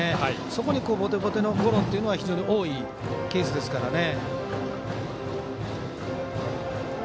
そこにボテボテのゴロっていうのは非常に多いケースですからね。